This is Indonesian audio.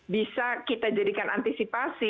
bisa kita jadikan antisipasi